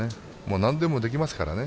何でもできますからね。